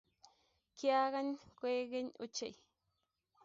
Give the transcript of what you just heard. Kyagay koek keny ochei